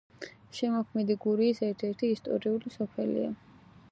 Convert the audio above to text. შემოქმედი გურიის ერთ-ერთი ისტორიული სოფელია.